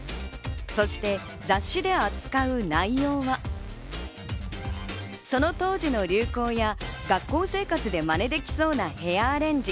そして雑誌で扱う内容はその当時の流行や学校生活でまねできそうなヘアアレンジ。